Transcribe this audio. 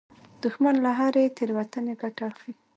دښمن له هرې تېروتنې ګټه اخلي